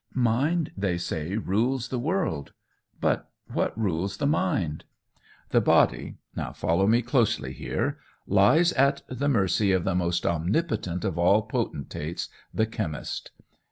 Mind, they say, rules the world. But what rules the mind? The body (follow me closely here) lies at the mercy of the most omnipotent of all potentates the chemist.